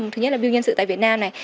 thứ nhất là biêu nhân sự tại việt nam này